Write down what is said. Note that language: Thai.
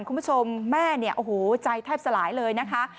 คุณผู้ชมแม่ใจแทบสลายเลยนะคะ